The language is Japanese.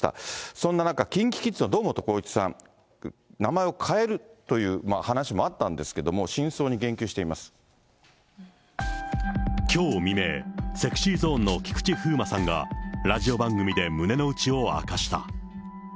そんな中、ＫｉｎＫｉＫｉｄｓの堂本光一さん、名前を変えるという話もあったんですけども、真きょう未明、ＳｅｘｙＺｏｎｅの菊池風磨さんが、ラジオ番組で胸の内を明かした。